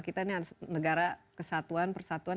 kita ini harus negara kesatuan persatuan